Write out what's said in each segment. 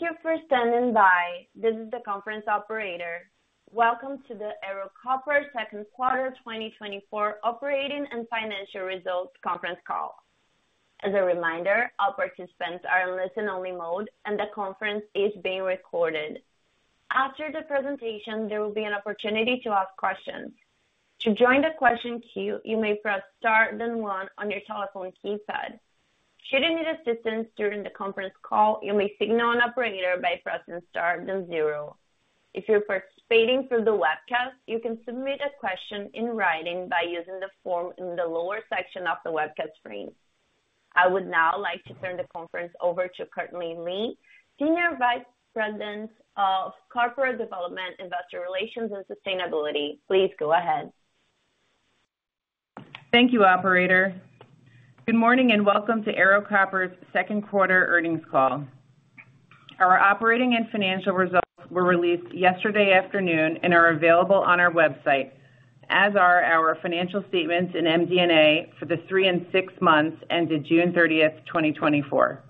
Thank you for standing by. This is the conference operator. Welcome to the Ero Copper second quarter 2024 operating and financial results conference call. As a reminder, all participants are in listen-only mode, and the conference is being recorded. After the presentation, there will be an opportunity to ask questions. To join the question queue, you may press star one on your telephone keypad. Should you need assistance during the conference call, you may signal an operator by pressing star then zero. If you're participating through the webcast, you can submit a question in writing by using the form in the lower section of the webcast screen. I would now like to turn the conference over to Courtney Lynn, Senior Vice President of Corporate Development, Investor Relations, and Sustainability. Please go ahead. Thank you, operator. Good morning, and welcome to Ero Copper's second quarter earnings call. Our operating and financial results were released yesterday afternoon and are available on our website, as are our financial statements in MD&A for the three and six months ended June 30th, 2024.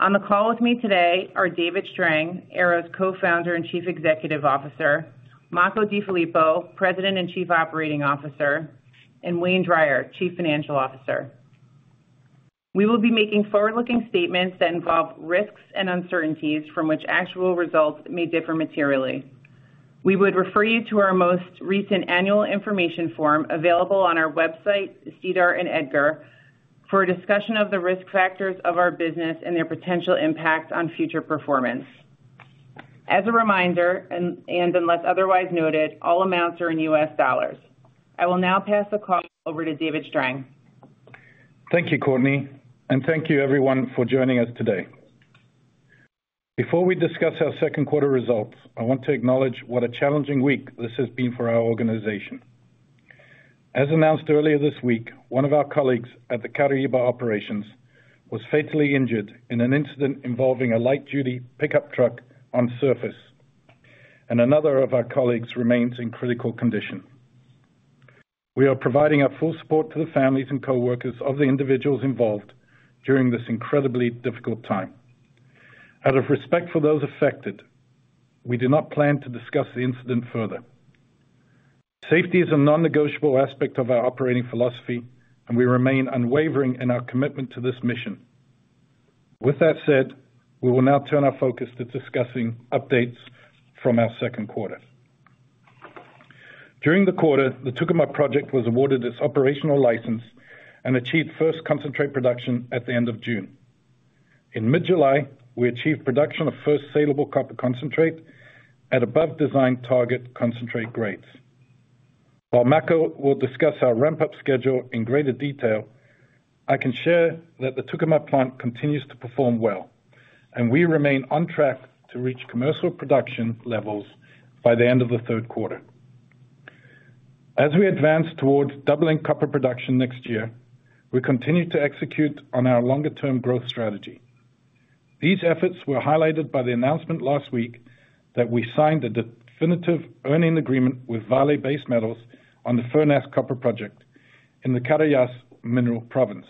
On the call with me today are David Strang, Ero's Co-Founder and Chief Executive Officer; Makko DeFilippo, President and Chief Operating Officer; and Wayne Drier, Chief Financial Officer. We will be making forward-looking statements that involve risks and uncertainties from which actual results may differ materially. We would refer you to our most recent annual information form available on our website, SEDAR, and EDGAR, for a discussion of the risk factors of our business and their potential impact on future performance. As a reminder, unless otherwise noted, all amounts are in US dollars. I will now pass the call over to David Strang. Thank you, Courtney, and thank you everyone for joining us today. Before we discuss our second quarter results, I want to acknowledge what a challenging week this has been for our organization. As announced earlier this week, one of our colleagues at the Caraíba operations was fatally injured in an incident involving a light-duty pickup truck on surface, and another of our colleagues remains in critical condition. We are providing our full support to the families and coworkers of the individuals involved during this incredibly difficult time. Out of respect for those affected, we do not plan to discuss the incident further. Safety is a non-negotiable aspect of our operating philosophy, and we remain unwavering in our commitment to this mission. With that said, we will now turn our focus to discussing updates from our second quarter. During the quarter, the Tucumã project was awarded its operational license and achieved first concentrate production at the end of June. In mid-July, we achieved production of first salable copper concentrate at above design target concentrate grades. While Makko will discuss our ramp-up schedule in greater detail, I can share that the Tucumã plant continues to perform well, and we remain on track to reach commercial production levels by the end of the third quarter. As we advance towards doubling copper production next year, we continue to execute on our longer-term growth strategy. These efforts were highlighted by the announcement last week that we signed a definitive earn-in agreement with Vale Base Metals on the Furnas Copper Project in the Carajás Mineral Province.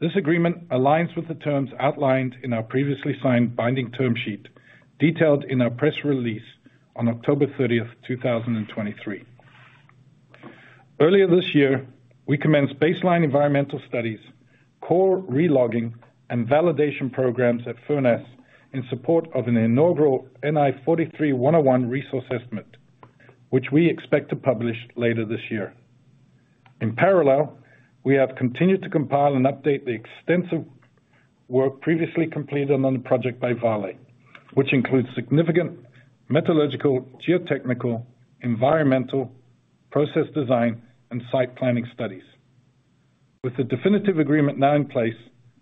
This agreement aligns with the terms outlined in our previously signed binding term sheet, detailed in our press release on October 30th, 2023. Earlier this year, we commenced baseline environmental studies, core re-logging, and validation programs at Furnas in support of an inaugural NI 43-101 resource estimate, which we expect to publish later this year. In parallel, we have continued to compile and update the extensive work previously completed on the project by Vale, which includes significant metallurgical, geotechnical, environmental, process design, and site planning studies. With the definitive agreement now in place,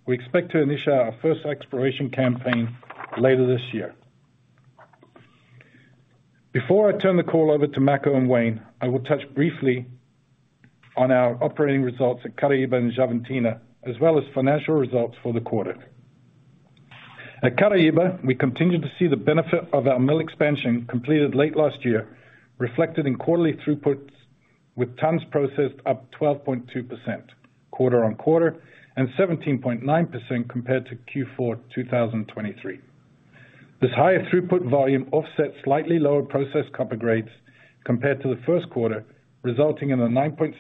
we expect to initiate our first exploration campaign later this year. Before I turn the call over to Makko and Wayne, I will touch briefly on our operating results at Caraíba and Xavantina, as well as financial results for the quarter. At Caraíba, we continued to see the benefit of our mill expansion, completed late last year, reflected in quarterly throughputs, with tons processed up 12.2% quarter-on-quarter and 17.9% compared to Q4 2023. This higher throughput volume offsets slightly lower processed copper grades compared to the first quarter, resulting in a 9.6%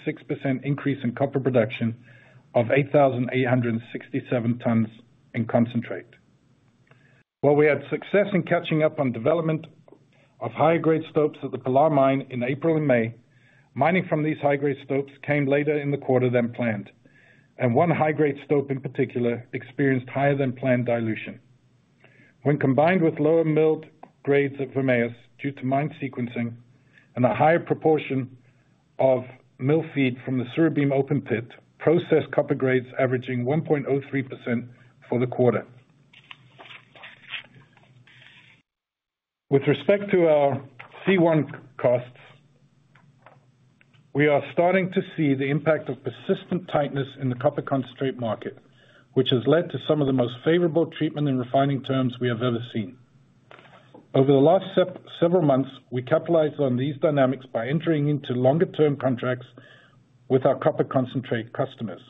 increase in copper production of 8,867 tons in concentrate. While we had success in catching up on development of high-grade stopes at the Pilar mine in April and May, mining from these high-grade stopes came later in the quarter than planned, and one high-grade stope, in particular, experienced higher than planned dilution. When combined with lower milled grades of Vermelhos, due to mine sequencing and a higher proportion of mill feed from the Surubim open pit, processed copper grades averaging 1.03% for the quarter. With respect to our C1 costs, we are starting to see the impact of persistent tightness in the copper concentrate market, which has led to some of the most favorable treatment and refining terms we have ever seen. Over the last several months, we capitalized on these dynamics by entering into longer-term contracts with our copper concentrate customers.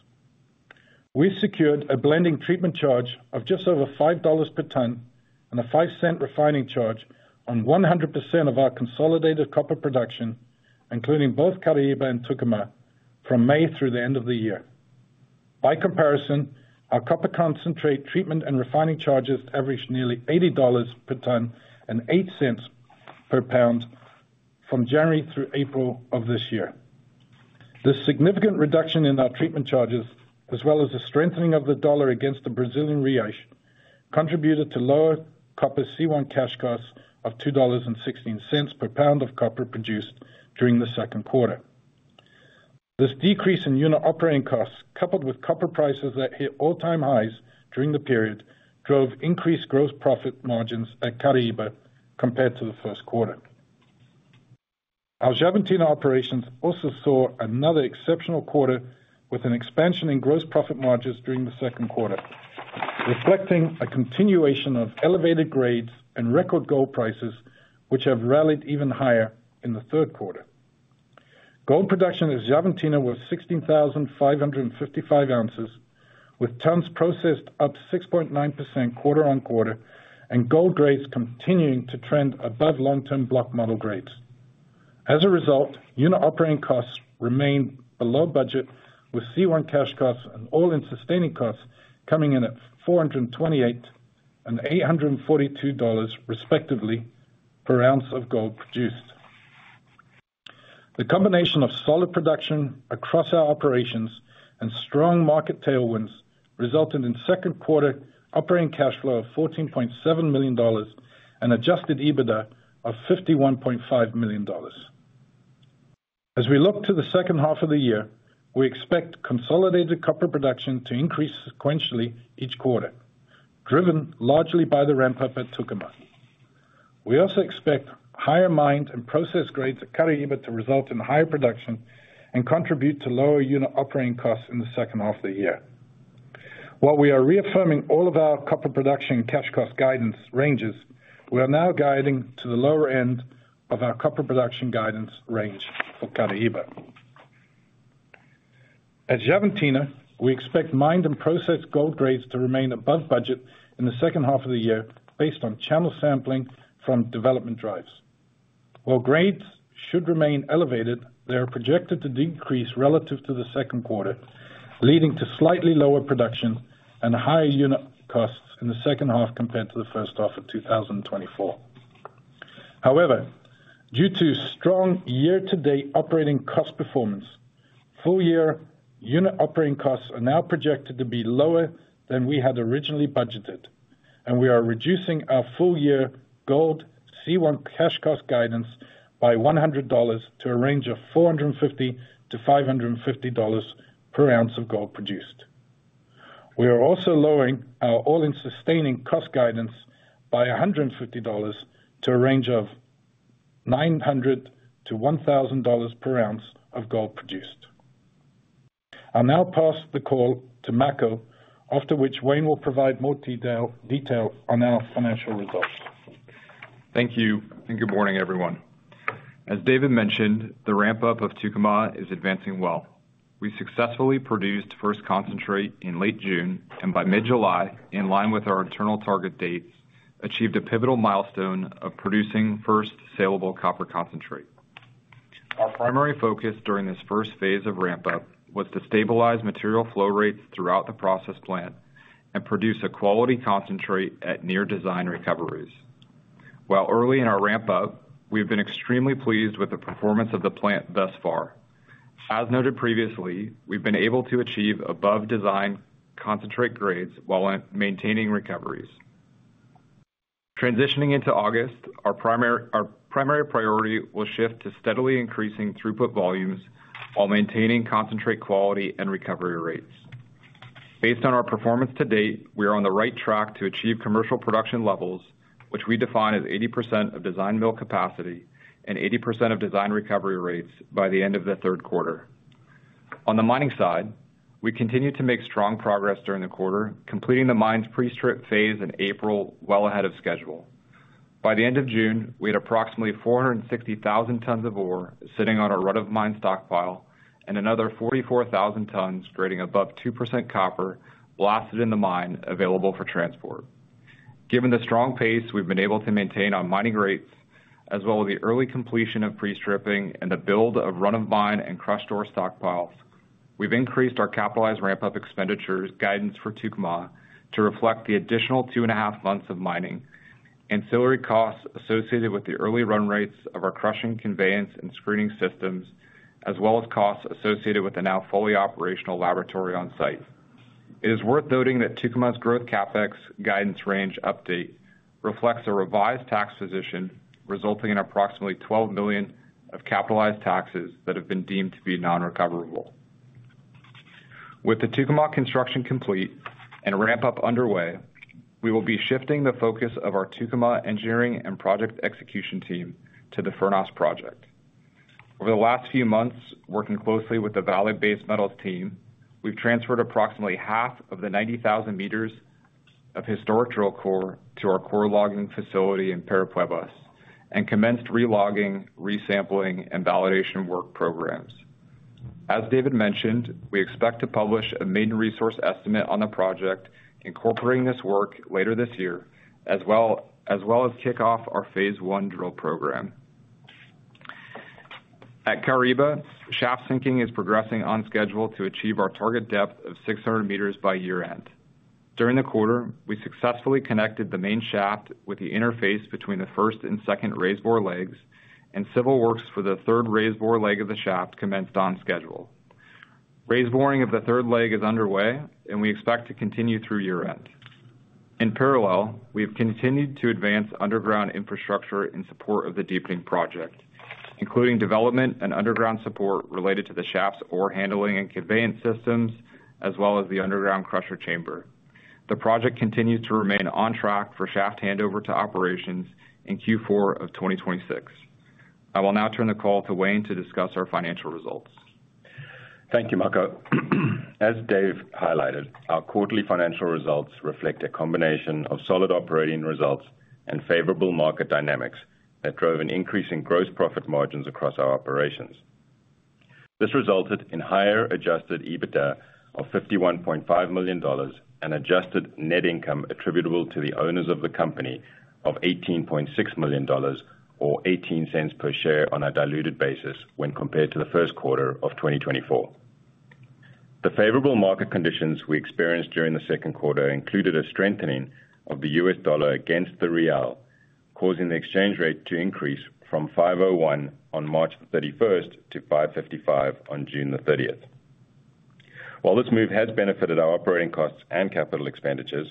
We secured a blended treatment charge of just over $5 per ton and a $0.05 refining charge on 100% of our consolidated copper production, including both Caraíba and Tucumã, from May through the end of the year. By comparison, our copper concentrate treatment and refining charges averaged nearly $80 per ton and $0.08 per pound from January through April of this year. This significant reduction in our treatment charges, as well as the strengthening of the dollar against the Brazilian real, contributed to lower copper C1 cash costs of $2.16 per pound of copper produced during the second quarter. This decrease in unit operating costs, coupled with copper prices that hit all-time highs during the period, drove increased gross profit margins at Caraíba compared to the first quarter. Our Xavantina operations also saw another exceptional quarter with an expansion in gross profit margins during the second quarter, reflecting a continuation of elevated grades and record gold prices, which have rallied even higher in the third quarter. Gold production at Xavantina was 16,555 ounces, with tons processed up 6.9% quarter-on-quarter, and gold grades continuing to trend above long-term block model grades. As a result, unit operating costs remained below budget, with C1 cash costs and all-in sustaining costs coming in at $428 and $842, respectively, per ounce of gold produced. The combination of solid production across our operations and strong market tailwinds resulted in second quarter operating cash flow of $14.7 million and adjusted EBITDA of $51.5 million. As we look to the second half of the year, we expect consolidated copper production to increase sequentially each quarter, driven largely by the ramp-up at Tucumã. We also expect higher mined and process grades at Caraíba to result in higher production and contribute to lower unit operating costs in the second half of the year. While we are reaffirming all of our copper production and cash cost guidance ranges, we are now guiding to the lower end of our copper production guidance range for Caraíba. At Xavantina, we expect mined and processed gold grades to remain above budget in the second half of the year based on channel sampling from development drives. While grades should remain elevated, they are projected to decrease relative to the second quarter, leading to slightly lower production and higher unit costs in the second half compared to the first half of 2024. However, due to strong year-to-date operating cost performance, full-year unit operating costs are now projected to be lower than we had originally budgeted, and we are reducing our full-year gold C1 cash cost guidance by $100 to a range of $450-$550 per ounce of gold produced. We are also lowering our all-in sustaining cost guidance by $150 to a range of $900-$1,000 per ounce of gold produced. I'll now pass the call to Makko, after which Wayne will provide more detail on our financial results. Thank you, and good morning, everyone. As David mentioned, the ramp-up of Tucumã is advancing well. We successfully produced first concentrate in late June, and by mid-July, in line with our internal target dates, achieved a pivotal milestone of producing first salable copper concentrate. Our primary focus during this first phase of ramp-up was to stabilize material flow rates throughout the process plant and produce a quality concentrate at near design recoveries. While early in our ramp-up, we've been extremely pleased with the performance of the plant thus far. As noted previously, we've been able to achieve above design concentrate grades while maintaining recoveries. Transitioning into August, our primary, our primary priority will shift to steadily increasing throughput volumes while maintaining concentrate quality and recovery rates. Based on our performance to date, we are on the right track to achieve commercial production levels, which we define as 80% of design mill capacity and 80% of design recovery rates by the end of the third quarter. On the mining side, we continued to make strong progress during the quarter, completing the mine's pre-strip phase in April, well ahead of schedule. By the end of June, we had approximately 460,000 tons of ore sitting on our run-of-mine stockpile and another 44,000 tons grading above 2% copper blasted in the mine, available for transport. Given the strong pace we've been able to maintain on mining rates, as well as the early completion of pre-stripping and the build of run-of-mine and crushed ore stockpiles, we've increased our capitalized ramp-up expenditures guidance for Tucumã to reflect the additional two and a half months of mining, ancillary costs associated with the early run rates of our crushing, conveyance, and screening systems, as well as costs associated with the now fully operational laboratory on site. It is worth noting that Tucumã's growth CapEx guidance range update reflects a revised tax position, resulting in approximately $12 million of capitalized taxes that have been deemed to be non-recoverable. With the Tucumã construction complete and ramp-up underway, we will be shifting the focus of our Tucumã engineering and project execution team to the Furnas project. Over the last few months, working closely with the Vale Base Metals team, we've transferred approximately half of the 90,000 meters of historical core to our core logging facility in Parauapebas, and commenced re-logging, resampling, and validation work programs. As David mentioned, we expect to publish a maiden resource estimate on the project, incorporating this work later this year, as well, as well as kick off our phase 1 drill program. At Caraíba, shaft sinking is progressing on schedule to achieve our target depth of 600 meters by year-end. During the quarter, we successfully connected the main shaft with the interface between the first and second raisebore legs, and civil works for the third raisebore leg of the shaft commenced on schedule. Raiseboring of the third leg is underway, and we expect to continue through year-end. In parallel, we've continued to advance underground infrastructure in support of the deepening project, including development and underground support related to the shaft's ore handling and conveyance systems, as well as the underground crusher chamber. The project continues to remain on track for shaft handover to operations in Q4 of 2026. I will now turn the call to Wayne to discuss our financial results. Thank you, Makko. As Dave highlighted, our quarterly financial results reflect a combination of solid operating results and favorable market dynamics that drove an increase in gross profit margins across our operations. This resulted in higher adjusted EBITDA of $51.5 million and adjusted net income attributable to the owners of the company of $18.6 million, or $0.18 per share on a diluted basis when compared to the first quarter of 2024. The favorable market conditions we experienced during the second quarter included a strengthening of the US dollar against the real, causing the exchange rate to increase from 5.01 on March 31st to 5.55 on June 30th. While this move has benefited our operating costs and capital expenditures,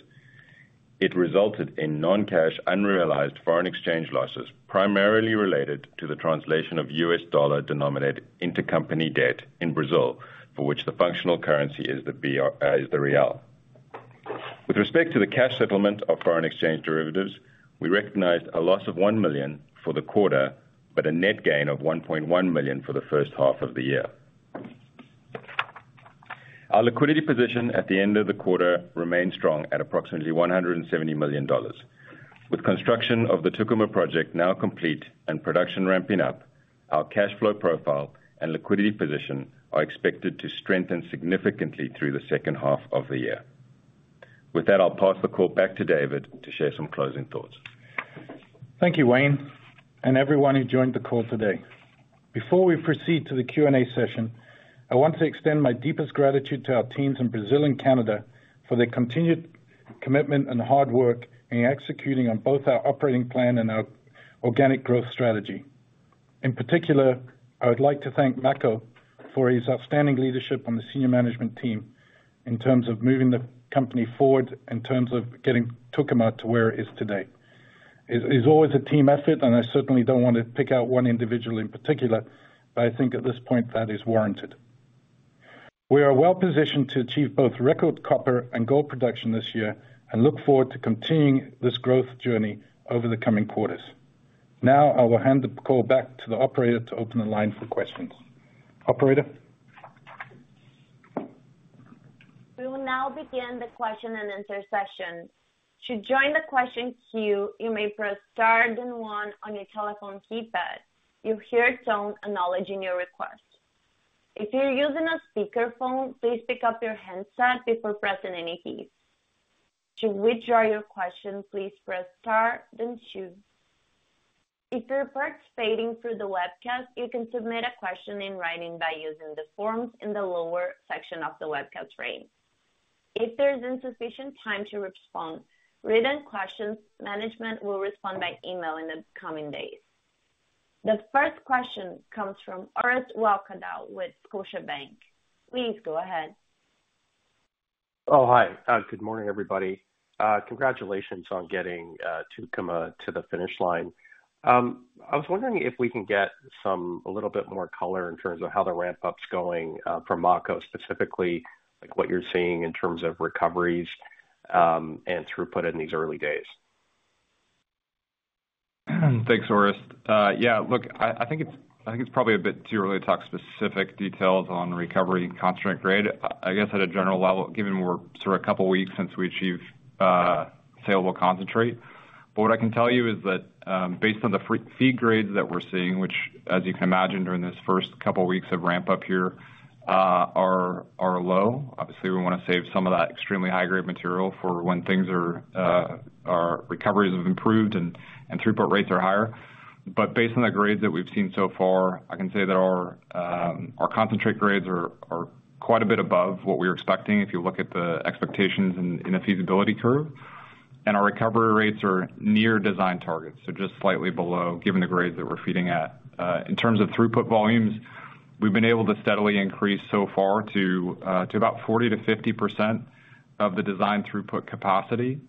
it resulted in non-cash, unrealized foreign exchange losses, primarily related to the translation of US dollar denominated intercompany debt in Brazil, for which the functional currency is the BRL, is the real. With respect to the cash settlement of foreign exchange derivatives, we recognized a loss of $1 million for the quarter, but a net gain of $1.1 million for the first half of the year. Our liquidity position at the end of the quarter remained strong at approximately $170 million. With construction of the Tucumã project now complete and production ramping up, our cash flow profile and liquidity position are expected to strengthen significantly through the second half of the year. With that, I'll pass the call back to David to share some closing thoughts. Thank you, Wayne, and everyone who joined the call today. Before we proceed to the Q&A session, I want to extend my deepest gratitude to our teams in Brazil and Canada for their continued commitment and hard work in executing on both our operating plan and our organic growth strategy. In particular, I would like to thank Makko for his outstanding leadership on the senior management team in terms of moving the company forward, in terms of getting Tucumã to where it is today. It is always a team effort, and I certainly don't want to pick out one individual in particular, but I think at this point, that is warranted. We are well positioned to achieve both record copper and gold production this year, and look forward to continuing this growth journey over the coming quarters. Now, I will hand the call back to the Operator to open the line for questions. Operator? We will now begin the question and answer session. To join the question queue, you may press star then one on your telephone keypad. You'll hear a tone acknowledging your request. If you're using a speakerphone, please pick up your handset before pressing any keys. To withdraw your question, please press star then two. If you're participating through the webcast, you can submit a question in writing by using the forms in the lower section of the webcast frame. If there isn't sufficient time to respond, written questions, management will respond by email in the coming days. The first question comes from Orest Wowkodaw with Scotiabank. Please go ahead. Oh, hi, good morning, everybody. Congratulations on getting Tucumã to the finish line. I was wondering if we can get some, a little bit more color in terms of how the ramp-up's going, from Makko, specifically, like, what you're seeing in terms of recoveries, and throughput in these early days. Thanks, Orest. Yeah, look, I think it's probably a bit too early to talk specific details on recovery and concentrate grade. I guess, at a general level, given we're sort of a couple weeks since we achieved saleable concentrate. But what I can tell you is that, based on the feed grades that we're seeing, which, as you can imagine, during these first couple weeks of ramp-up here, are low. Obviously, we wanna save some of that extremely high-grade material for when things are, our recoveries have improved and throughput rates are higher. But based on the grades that we've seen so far, I can say that our concentrate grades are quite a bit above what we were expecting, if you look at the expectations in the feasibility curve. Our recovery rates are near design targets, so just slightly below, given the grades that we're feeding at. In terms of throughput volumes, we've been able to steadily increase so far to about 40%-50% of the design throughput capacity,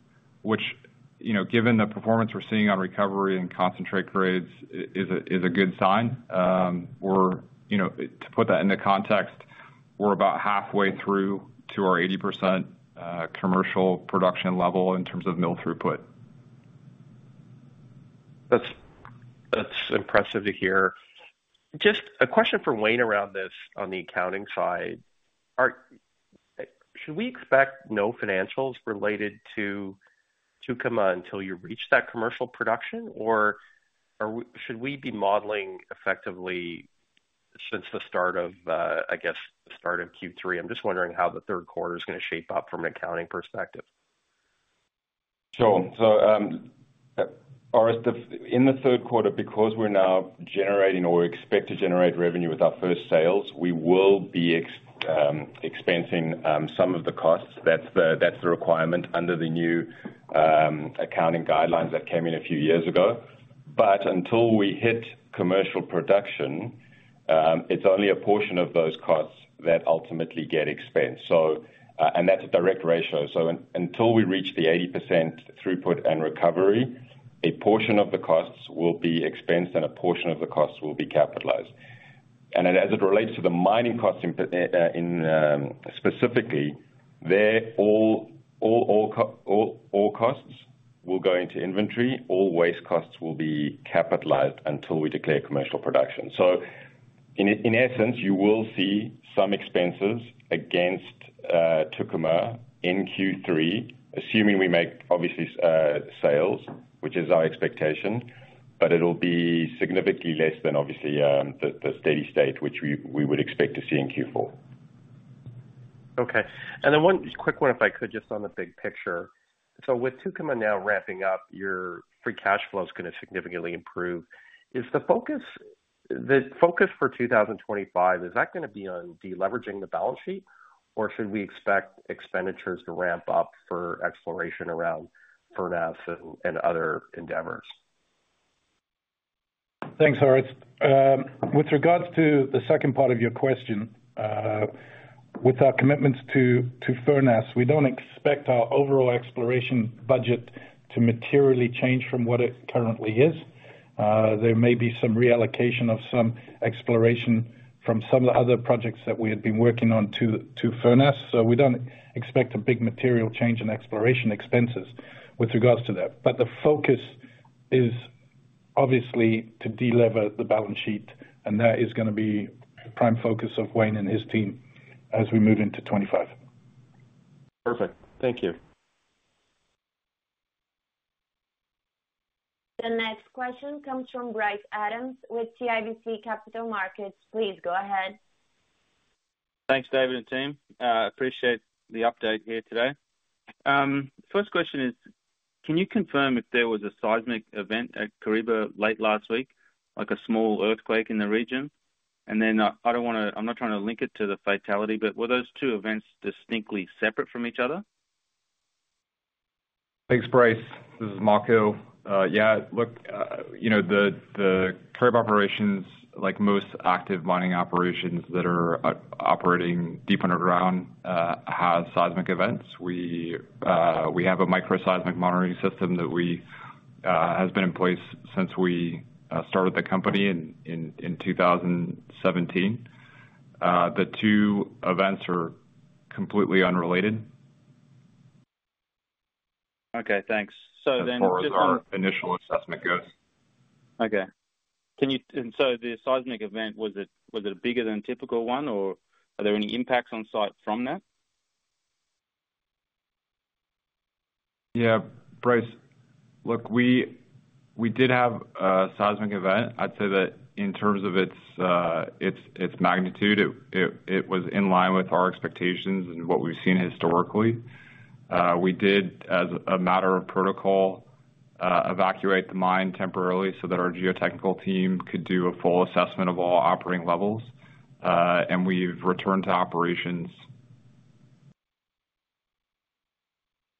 which, you know, given the performance we're seeing on recovery and concentrate grades, is a good sign. We're, you know, to put that into context, we're about halfway through to our 80% commercial production level in terms of mill throughput. That's, that's impressive to hear. Just a question for Wayne around this on the accounting side. Should we expect no financials related to to come out until you reach that commercial production, or should we be modeling effectively since the start of, I guess, the start of Q3? I'm just wondering how the third quarter is gonna shape up from an accounting perspective. Sure. So, Orest, in the third quarter, because we're now generating or expect to generate revenue with our first sales, we will be expensing some of the costs. That's the requirement under the new accounting guidelines that came in a few years ago. But until we hit commercial production, it's only a portion of those costs that ultimately get expensed. So, and that's a direct ratio. So until we reach the 80% throughput and recovery, a portion of the costs will be expensed and a portion of the costs will be capitalized. And then as it relates to the mining costs, all costs will go into inventory. All waste costs will be capitalized until we declare commercial production. So in essence, you will see some expenses against Tucumã in Q3, assuming we make obviously sales, which is our expectation, but it'll be significantly less than obviously the steady state, which we would expect to see in Q4. Okay. And then one quick one, if I could, just on the big picture. So with Tucumã now ramping up, your free cash flow is gonna significantly improve. Is the focus, the focus for 2025, is that gonna be on deleveraging the balance sheet, or should we expect expenditures to ramp up for exploration around Furnas and other endeavors? Thanks, Orest. With regards to the second part of your question, with our commitments to Furnas, we don't expect our overall exploration budget to materially change from what it currently is. There may be some reallocation of some exploration from some of the other projects that we had been working on to Furnas, so we don't expect a big material change in exploration expenses with regards to that. But the focus is obviously to delever the balance sheet, and that is gonna be a prime focus of Wayne and his team as we move into 2025. Perfect. Thank you. The next question comes from Bryce Adams with CIBC Capital Markets. Please go ahead. Thanks, David and team. Appreciate the update here today. First question is, can you confirm if there was a seismic event at Caraíba late last week, like a small earthquake in the region? And then, I don't wanna, I'm not trying to link it to the fatality, but were those two events distinctly separate from each other? Thanks, Bryce. This is Makko. Yeah, look, you know, the Caraíba operations, like most active mining operations that are operating deep underground, have seismic events. We have a microseismic monitoring system that we has been in place since we started the company in 2017. The two events are completely unrelated. Okay, thanks. So then- As far as our initial assessment goes. Okay. So the seismic event, was it, was it bigger than a typical one, or are there any impacts on site from that? Yeah, Bryce. Look, we did have a seismic event. I'd say that in terms of its magnitude, it was in line with our expectations and what we've seen historically. We did, as a matter of protocol, evacuate the mine temporarily so that our geotechnical team could do a full assessment of all operating levels, and we've returned to operations.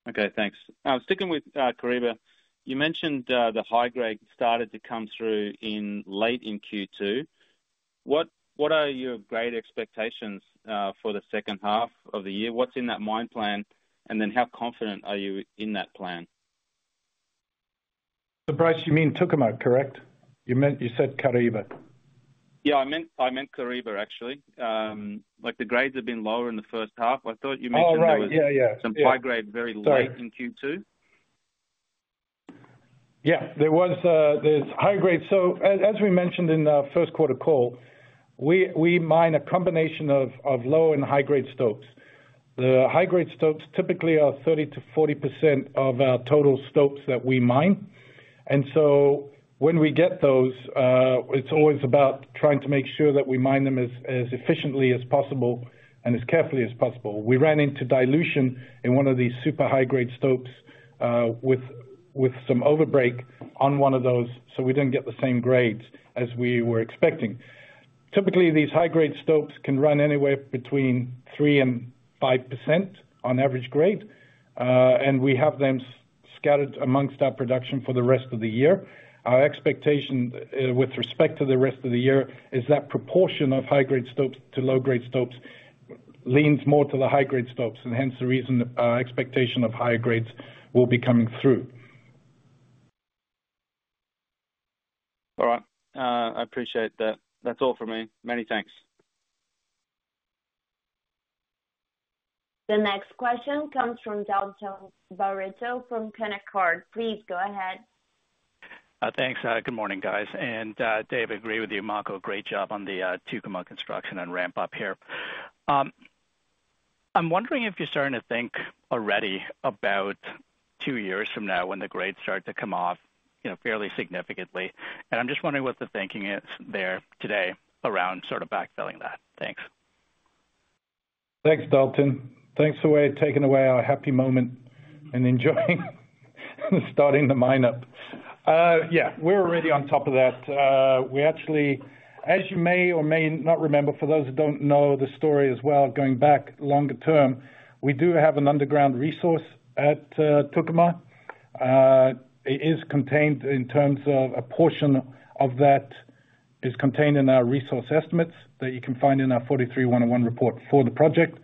Okay, thanks. Sticking with Caraíba you mentioned the high grade started to come through in late Q2. What are your grade expectations for the second half of the year? What's in that mine plan? And then how confident are you in that plan? So Bryce, you mean Tucumã, correct? You meant... You said Caraíba. Yeah, I meant, I meant Caraíba, actually. Like, the grades have been lower in the first half. I thought you mentioned- Oh, right. Yeah, yeah. some high grade very late Sorry. -in Q2. Yeah, there was, there's high grade. So as we mentioned in our first quarter call, we mine a combination of low and high-grade stopes. The high-grade stopes typically are 30%-40% of our total stopes that we mine. And so when we get those, it's always about trying to make sure that we mine them as efficiently as possible and as carefully as possible. We ran into dilution in one of these super high-grade stopes, with some overbreak on one of those, so we didn't get the same grades as we were expecting. Typically, these high-grade stopes can run anywhere between 3% and 5% on average grade, and we have them scattered amongst our production for the rest of the year. Our expectation, with respect to the rest of the year, is that proportion of high-grade stopes to low-grade stopes leans more to the high-grade stopes, and hence the reason our expectation of higher grades will be coming through. All right. I appreciate that. That's all for me. Many thanks. The next question comes from Dalton Baretto from Canaccord. Please go ahead. Thanks. Good morning, guys. And, Dave, agree with you, Makko, great job on the Tucumã construction and ramp up here. I'm wondering if you're starting to think already about two years from now when the grades start to come off, you know, fairly significantly. And I'm just wondering what the thinking is there today around sort of backfilling that. Thanks. Thanks, Dalton. Thanks for wasting our happy moment and enjoying and starting the mine up. Yeah, we're already on top of that. We actually, as you may or may not remember, for those who don't know the story as well, going back longer term, we do have an underground resource at Tucumã. It is contained in terms of a portion of that is contained in our resource estimates that you can find in our 43-101 report for the project.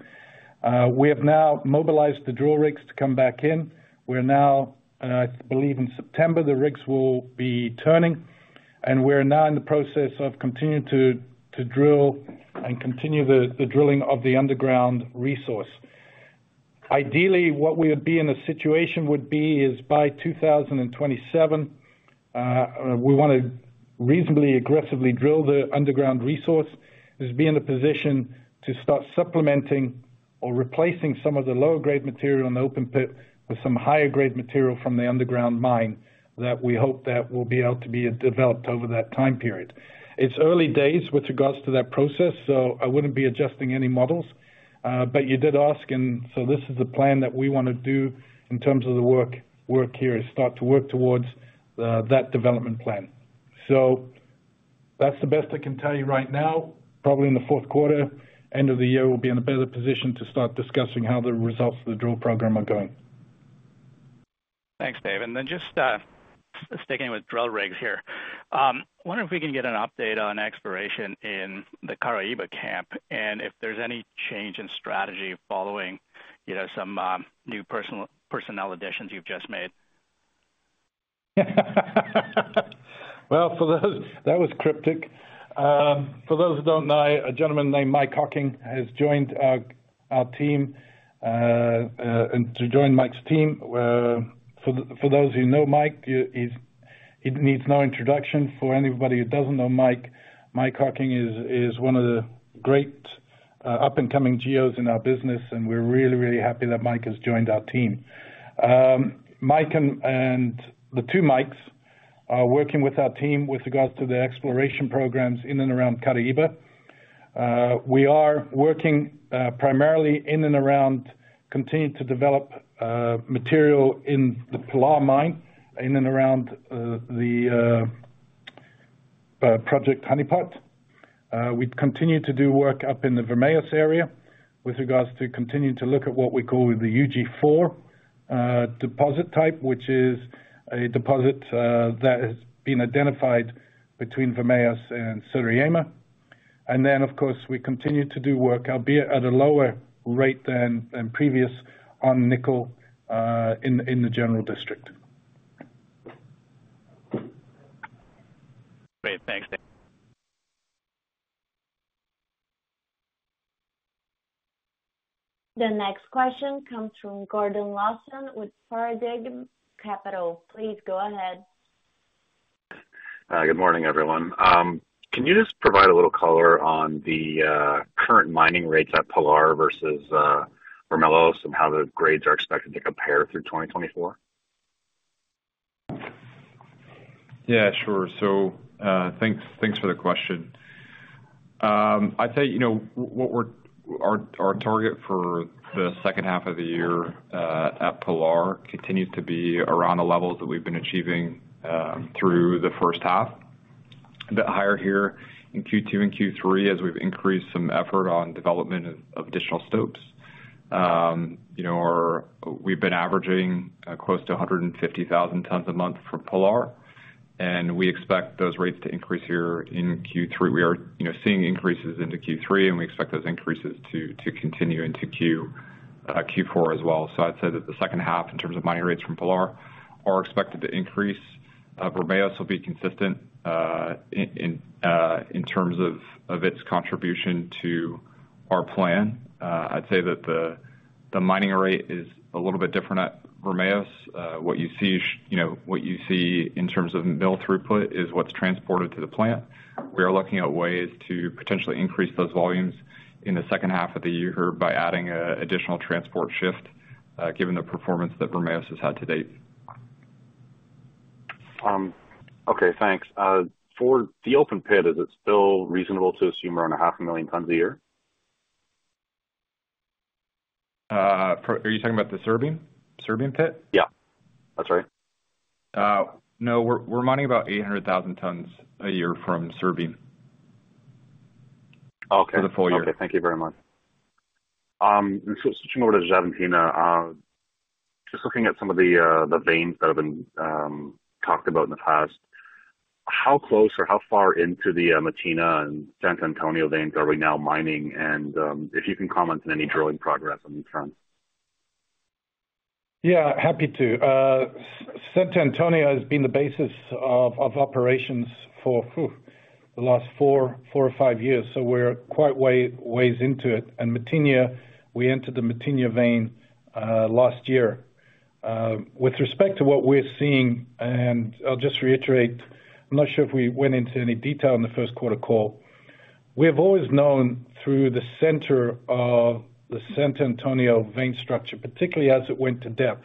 We have now mobilized the drill rigs to come back in. We're now, I believe, in September, the rigs will be turning, and we're now in the process of continuing to drill and continue the drilling of the underground resource. Ideally, what we would be in a situation would be is by 2027, we want to reasonably aggressively drill the underground resource, is be in a position to start supplementing or replacing some of the lower grade material in the open pit with some higher grade material from the underground mine, that we hope that will be able to be developed over that time period. It's early days with regards to that process, so I wouldn't be adjusting any models. But you did ask, and so this is the plan that we wanna do in terms of the work here, is start to work towards that development plan. So that's the best I can tell you right now. Probably in the fourth quarter, end of the year, we'll be in a better position to start discussing how the results of the drill program are going. Thanks, Dave. Then just sticking with drill rigs here, wonder if we can get an update on exploration in the Caraíba camp, and if there's any change in strategy following, you know, some new personnel additions you've just made? Well, for those... That was cryptic. For those who don't know, a gentleman named Mike Hocking has joined our team and to join Mike's team. For those who know Mike, he needs no introduction. For anybody who doesn't know Mike, Mike Hocking is one of the great up-and-coming geos in our business, and we're really, really happy that Mike has joined our team. Mike and the two Mikes are working with our team with regards to the exploration programs in and around Caraíba. We are working primarily in and around continuing to develop material in the Pilar mine, in and around the project Honeypot. We'd continue to do work up in the Vermelhos area with regards to continuing to look at what we call the UG4 deposit type, which is a deposit that has been identified between Vermelhos and Siriema. And then, of course, we continue to do work, albeit at a lower rate than previous on nickel in the general district. Great. Thanks, Dave. The next question comes from Gordon Lawson with Paradigm Capital. Please go ahead. Good morning, everyone. Can you just provide a little color on the current mining rates at Pilar versus Vermelhos and how the grades are expected to compare through 2024? Yeah, sure. So, thanks, thanks for the question. I'd say, you know, what our target for the second half of the year at Pilar continues to be around the levels that we've been achieving through the first half. A bit higher here in Q2 and Q3, as we've increased some effort on development of additional stopes. You know, we've been averaging close to 150,000 tons a month from Pilar, and we expect those rates to increase here in Q3. We are, you know, seeing increases into Q3, and we expect those increases to continue into Q4 as well. So I'd say that the second half, in terms of mining rates from Pilar, are expected to increase. Vermelhos will be consistent in terms of its contribution to our plan. I'd say that the mining rate is a little bit different at Vermelhos. What you see, you know, what you see in terms of mill throughput is what's transported to the plant. We are looking at ways to potentially increase those volumes in the second half of the year by adding a additional transport shift, given the performance that Vermelhos has had to date. Okay, thanks. For the open pit, is it still reasonable to assume around 500,000 tons a year? Are you talking about the Surubim, Surubim pit? Yeah. That's right. No, we're mining about 800,000 tons a year from Surubim. Okay. For the full year. Okay. Thank you very much. So switching over to Xavantina. Just looking at some of the veins that have been talked about in the past, how close or how far into the Matinha and Santo Antônio veins are we now mining? And if you can comment on any drilling progress on the front? Yeah, happy to. Santo Antônio has been the basis of operations for, whew! the last 4 or 5 years, so we're quite a ways into it. And Matinha, we entered the Matinha vein last year. With respect to what we're seeing, and I'll just reiterate, I'm not sure if we went into any detail on the first quarter call. We have always known through the center of the Santo Antônio vein structure, particularly as it went to depth,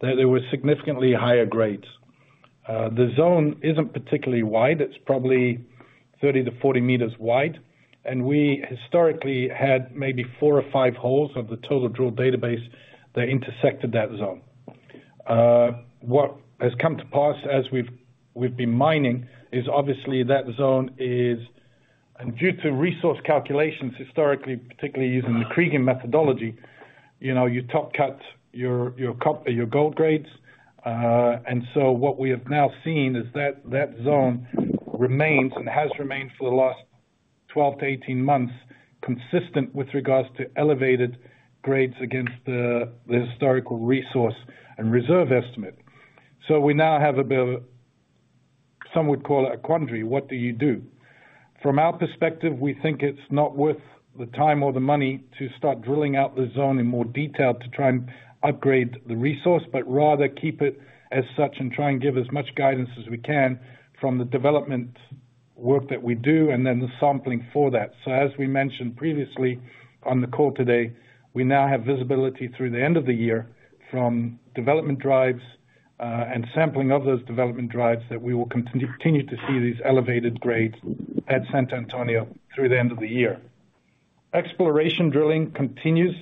that there were significantly higher grades. The zone isn't particularly wide. It's probably 30-40 meters wide, and we historically had maybe four or five holes of the total drilled database that intersected that zone. What has come to pass as we've been mining is obviously that zone is, and due to resource calculations, historically, particularly using the kriging methodology, you know, you top cut your gold grades. And so what we have now seen is that that zone remains and has remained for the last 12-18 months, consistent with regards to elevated grades against the historical resource and reserve estimate. So we now have a bit of, some would call it a quandary. What do you do? From our perspective, we think it's not worth the time or the money to start drilling out the zone in more detail to try and upgrade the resource, but rather keep it as such and try and give as much guidance as we can from the development work that we do and then the sampling for that. So as we mentioned previously on the call today, we now have visibility through the end of the year from development drives, and sampling of those development drives, that we will continue to see these elevated grades at Santo Antônio through the end of the year. Exploration drilling continues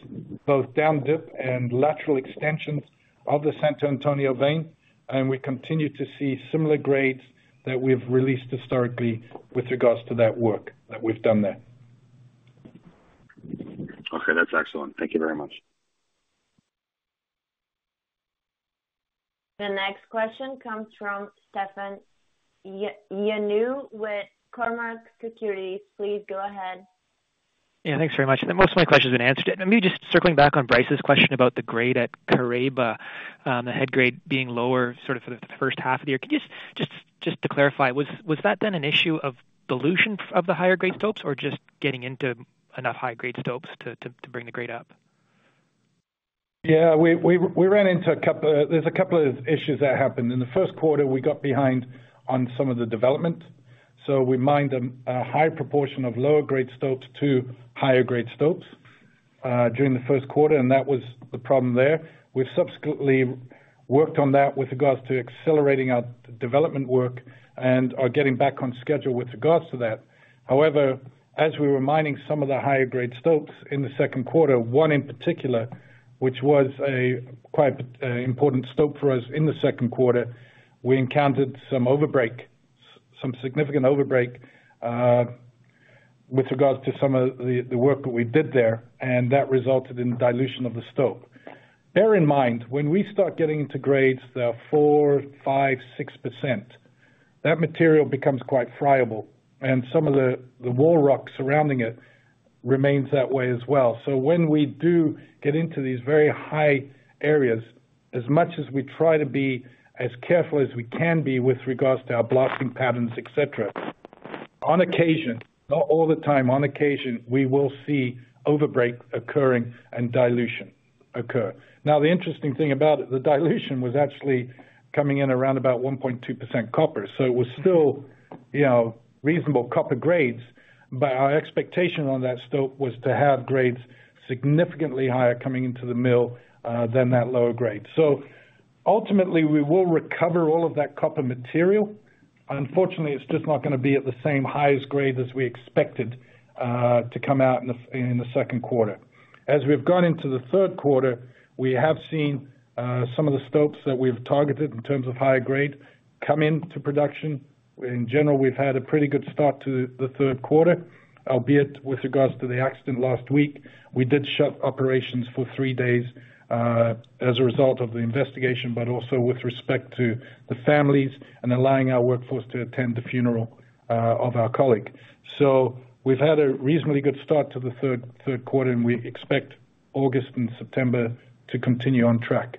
both down dip and lateral extensions of the Santo Antônio vein, and we continue to see similar grades that we've released historically with regards to that work that we've done there. Okay, that's excellent. Thank you very much. The next question comes from Stefan Ioannou with Cormark Securities. Please go ahead. Yeah, thanks very much. Most of my question's been answered. Let me just circling back on Bryce's question about the grade at Caraíba, the head grade being lower, sort of, for the first half of the year. Can you just to clarify, was that then an issue of dilution of the higher grade stopes, or just getting into enough high grade stopes to bring the grade up? Yeah, we ran into a couple, there's a couple of issues that happened. In the first quarter, we got behind on some of the development, so we mined a high proportion of lower grade stopes to higher grade stopes during the first quarter, and that was the problem there. We've subsequently worked on that with regards to accelerating our development work and are getting back on schedule with regards to that. However, as we were mining some of the higher grade stopes in the second quarter, one in particular, which was a quite important stope for us in the second quarter, we encountered some overbreak, some significant overbreak with regards to some of the work that we did there, and that resulted in dilution of the stope. Bear in mind, when we start getting into grades that are 4%, 5%, 6%, that material becomes quite friable, and some of the wall rock surrounding it remains that way as well. So when we do get into these very high areas, as much as we try to be as careful as we can be with regards to our blasting patterns, et cetera, on occasion, not all the time, on occasion, we will see overbreak occurring and dilution occur. Now, the interesting thing about it, the dilution was actually coming in around about 1.2% copper, so it was still, you know, reasonable copper grades, but our expectation on that stope was to have grades significantly higher coming into the mill, than that lower grade. So ultimately, we will recover all of that copper material. Unfortunately, it's just not gonna be at the same highest grade as we expected to come out in the second quarter. As we've gone into the third quarter, we have seen some of the stopes that we've targeted in terms of higher grade come into production. In general, we've had a pretty good start to the third quarter, albeit with regards to the accident last week. We did shut operations for three days as a result of the investigation, but also with respect to the families and allowing our workforce to attend the funeral of our colleague. So we've had a reasonably good start to the third quarter, and we expect August and September to continue on track.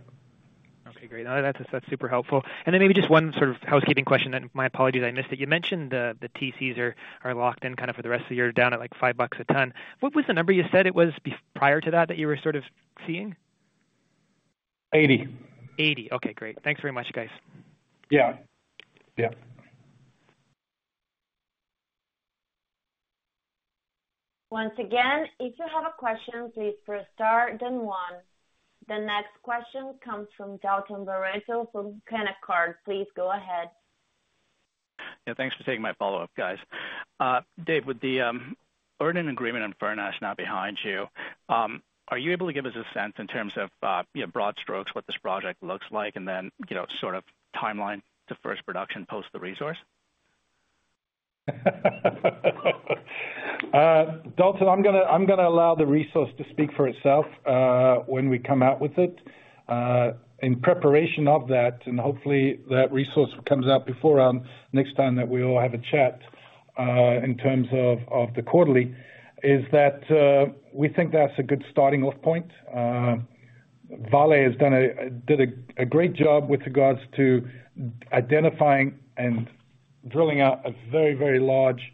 Okay, great. Now that's, that's super helpful. And then maybe just one sort of housekeeping question, then my apologies, I missed it. You mentioned the, the TCs are, are locked in kind of for the rest of the year, down at, like, $5 a ton. What was the number you said it was prior to that, that you were sort of seeing? 80. 80. Okay, great. Thanks very much, guys. Yeah. Yeah. Once again, if you have a question, please press star then one. The next question comes from Dalton Baretto from Canaccord. Please go ahead. Yeah, thanks for taking my follow-up, guys. Dave, with the earn-in agreement in Furnas now behind you, are you able to give us a sense in terms of, you know, broad strokes, what this project looks like and then, you know, sort of timeline to first production post the resource? Dalton, I'm gonna allow the resource to speak for itself when we come out with it. In preparation of that, and hopefully that resource comes out before next time that we all have a chat, in terms of the quarterly, we think that's a good starting off point. Vale has done a great job with regards to identifying and drilling out a very, very large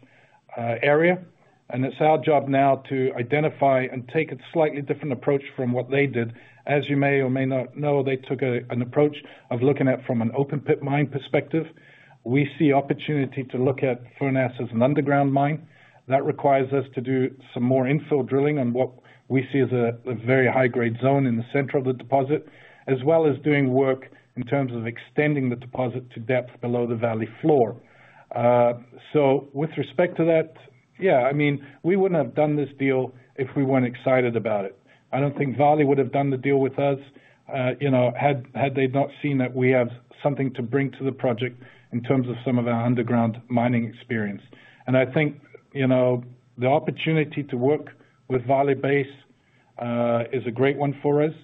area. And it's our job now to identify and take a slightly different approach from what they did. As you may or may not know, they took an approach of looking at it from an open pit mine perspective. We see opportunity to look at Furnas as an underground mine. That requires us to do some more infill drilling on what we see as a very high grade zone in the center of the deposit, as well as doing work in terms of extending the deposit to depth below the valley floor. So with respect to that, yeah, I mean, we wouldn't have done this deal if we weren't excited about it. I don't think Vale would have done the deal with us, you know, had they not seen that we have something to bring to the project in terms of some of our underground mining experience. And I think, you know, the opportunity to work with Vale Base is a great one for us,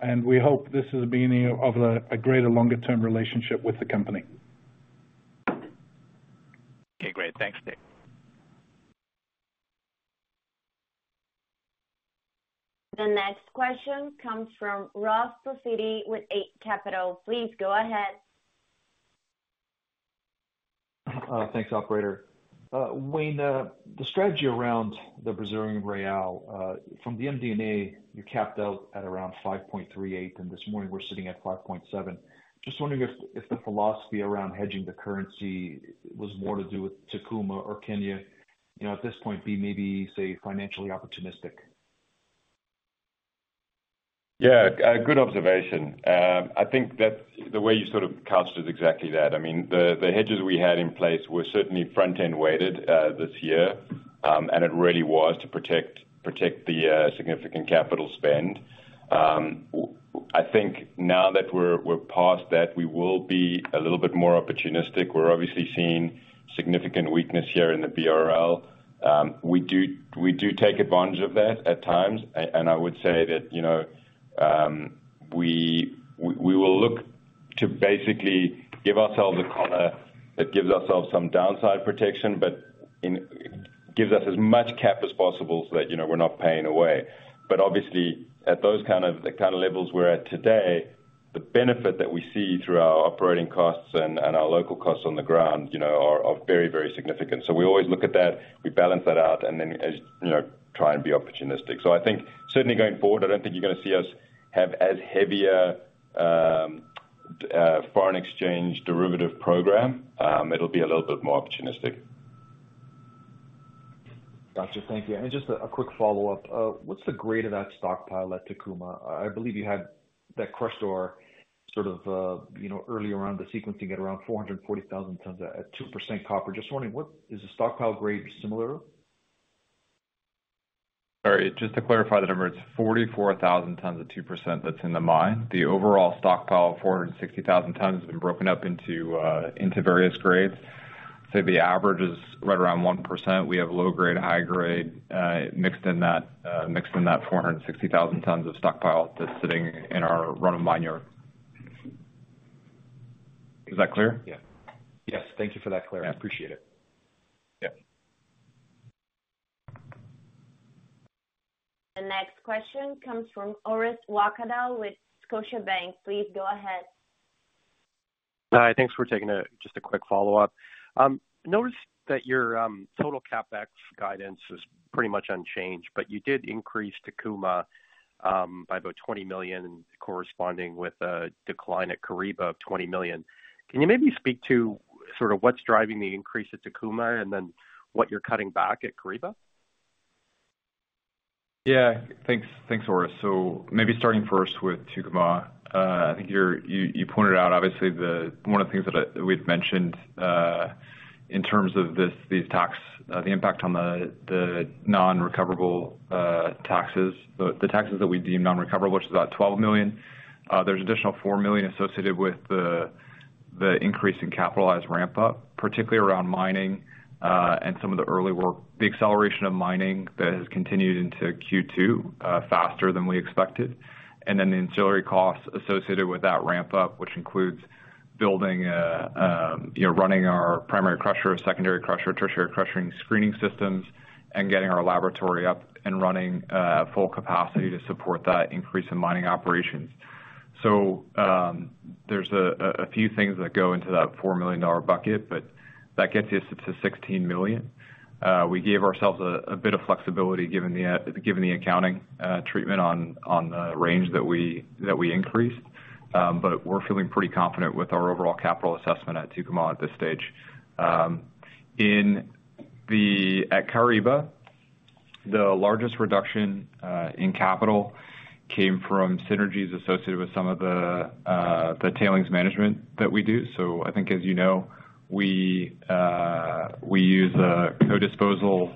and we hope this is the beginning of a greater longer-term relationship with the company. Okay, great. Thanks, Dave. The next question comes from Ralph Profiti with Eight Capital. Please go ahead. Thanks, operator. Wayne, the strategy around the Brazilian real, from the MD&A, you capped out at around 5.38, and this morning we're sitting at 5.7. Just wondering if, if the philosophy around hedging the currency was more to do with Tucumã, or can you, you know, at this point, be maybe, say, financially opportunistic? Yeah, good observation. I think that the way you sort of cast it is exactly that. I mean, the hedges we had in place were certainly front-end weighted this year, and it really was to protect the significant capital spend. I think now that we're past that, we will be a little bit more opportunistic. We're obviously seeing significant weakness here in the BRL. We do take advantage of that at times, and I would say that, you know, we will look to basically give ourselves a collar that gives ourselves some downside protection, but gives us as much cap as possible so that, you know, we're not paying away. But obviously, at those kind of levels we're at today, the benefit that we see through our operating costs and our local costs on the ground, you know, are very, very significant. So we always look at that, we balance that out, and then as, you know, try and be opportunistic. So I think certainly going forward, I don't think you're gonna see us have as heavy a foreign exchange derivative program. It'll be a little bit more opportunistic. Gotcha. Thank you. And just a quick follow-up. What's the grade of that stockpile at Tucumã? I believe you had that crush, or sort of, you know, early around the sequencing at around 440,000 tons at 2% copper. Just wondering, what is the stockpile grade similar? Sorry, just to clarify the number, it's 44,000 tons at 2% that's in the mine. The overall stockpile of 460,000 tons has been broken up into various grades. So the average is right around 1%. We have low grade, high grade, mixed in that 460,000 tons of stockpile that's sitting in our run of mine yard. Is that clear? Yeah. Yes, thank you for that clarity. Yeah. Appreciate it. Yeah. The next question comes from Orest Wowkodaw with Scotiabank. Please go ahead. Hi, thanks for taking it. Just a quick follow-up. Noticed that your total CapEx guidance was pretty much unchanged, but you did increase Tucumã by about $20 million, corresponding with a decline at Caraíba of $20 million. Can you maybe speak to sort of what's driving the increase at Tucumã, and then what you're cutting back at Caraíba? Yeah. Thanks, thanks, Orest. So maybe starting first with Tucumã. I think you pointed out, obviously, one of the things that we'd mentioned in terms of this, the tax, the impact on the non-recoverable taxes, the taxes that we deem non-recoverable, which is about $12 million. There's additional $4 million associated with the increase in capitalized ramp-up, particularly around mining and some of the early work. The acceleration of mining that has continued into Q2 faster than we expected, and then the ancillary costs associated with that ramp-up, which includes building, you know, running our primary crusher, secondary crusher, tertiary crushing, screening systems, and getting our laboratory up and running at full capacity to support that increase in mining operations. So, there's a few things that go into that $4 million bucket, but that gets us to $16 million. We gave ourselves a bit of flexibility given the accounting treatment on the range that we increased, but we're feeling pretty confident with our overall capital assessment at Tucumã at this stage. At Caraíba, the largest reduction in capital came from synergies associated with some of the tailings management that we do. So I think, as you know, we use a co-disposal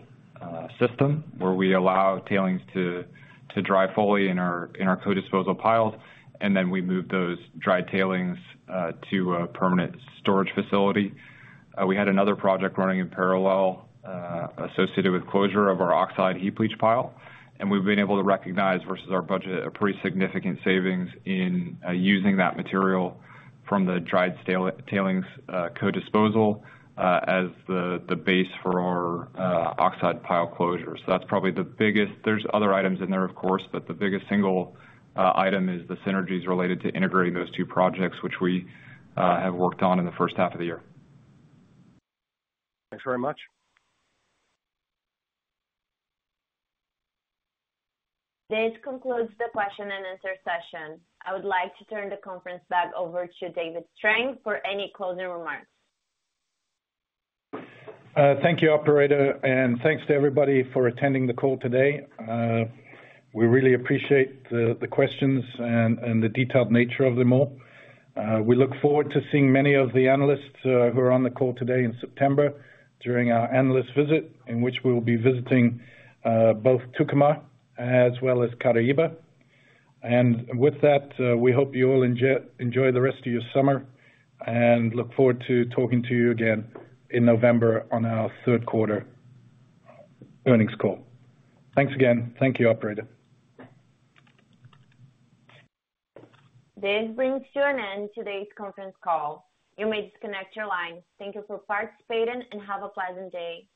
system, where we allow tailings to dry fully in our co-disposal piles, and then we move those dried tailings to a permanent storage facility. We had another project running in parallel, associated with closure of our oxide heap leach pile, and we've been able to recognize versus our budget a pretty significant savings in using that material from the dried stale-tailings co-disposal as the base for our oxide pile closure. So that's probably the biggest. There's other items in there, of course, but the biggest single item is the synergies related to integrating those two projects, which we have worked on in the first half of the year. Thanks very much. This concludes the question and answer session. I would like to turn the conference back over to David Strang for any closing remarks. Thank you, operator, and thanks to everybody for attending the call today. We really appreciate the questions and the detailed nature of them all. We look forward to seeing many of the analysts who are on the call today in September, during our analyst visit, in which we will be visiting both Tucumã as well as Caraíba. With that, we hope you all enjoy the rest of your summer, and look forward to talking to you again in November on our third quarter earnings call. Thanks again. Thank you, Operator. This brings to an end today's conference call. You may disconnect your lines. Thank you for participating, and have a pleasant day.